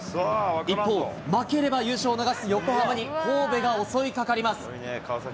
一方、負ければ優勝を逃す横浜に神戸が襲いかかります。